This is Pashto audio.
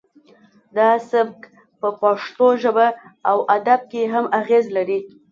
دا سبک په پښتو ژبه او ادب کې هم اغیز لري